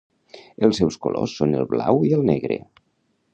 Els seus colors són el blau i el negre.